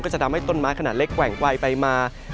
จะทำให้ต้นไม้ขนาดเล็กแหว่งไวไปมา